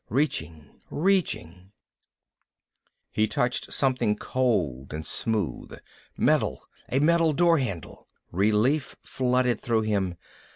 Reaching, reaching He touched something cold and smooth. Metal, a metal door handle. Relief flooded through him.